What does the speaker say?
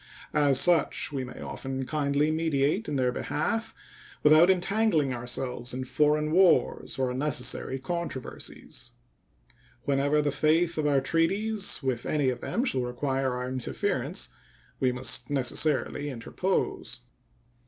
As such we may often kindly mediate in their behalf without entangling ourselves in foreign wars or unnecessary controversies. Whenever the faith of our treaties with any of them shall require our interference, we must necessarily interpose.